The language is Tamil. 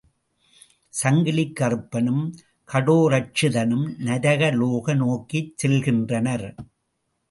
சங்கிலிக் கறுப்பனுங் கடோரசித்தனும் நரகலோக நோக்கிச் செல்கின்றனர்.